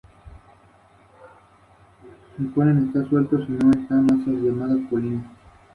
Seis años más tarde participó en la serie de "Esposos en vacaciones".